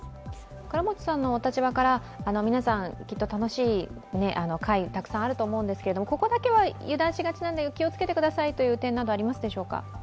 倉持さんのお立場から、皆さん、きっと楽しい会、あると思いますけどここだけは油断しがちなんだよ、気をつけてくださいという点など、ありますでしょうか？